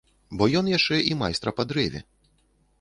Бо ён яшчэ і майстра па дрэве.